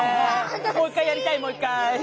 もう一回やりたいもう一回。